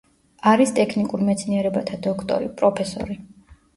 არის ტექნიკურ მეცნიერებათა დოქტორი, პროფესორი.